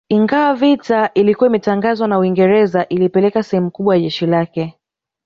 Ingawa vita ilikuwa imeshatangazwa na Uingereza ilipeleka sehemu kubwa ya jeshi lake